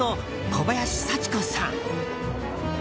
小林幸子さん。